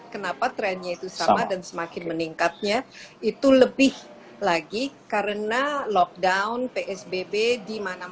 kenapa trennya itu sama dan semakin meningkatnya itu lebih lagi karena lockdown psbb di mana mana